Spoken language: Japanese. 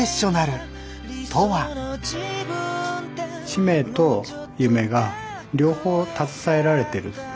使命と夢が両方携えられてる事。